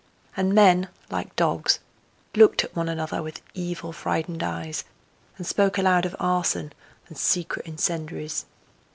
And men, like dogs, looked at one another with evil, frightened eyes, and spoke aloud of arson, and secret incendiaries.